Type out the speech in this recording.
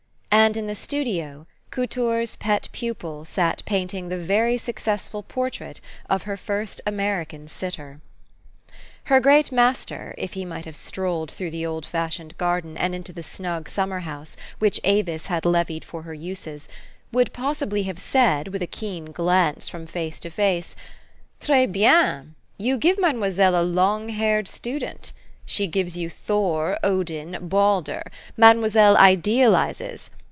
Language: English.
And in the studio, Couture 's pet pupil sat paint ing the very successful portrait of her first American sitter. 96 THE STORY OF AVIS. Her great master, if he might have strolled through the old fashioned garden, and into the snug summer house which Avis had levied for her uses, would possibly have said, with a keen glance from face to face, " Tres bien ! You give Mademoiselle a long haired student. She gives you Thor, Odin, Balder. Mademoiselle idealizes